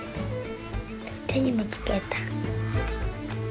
手にも付けた。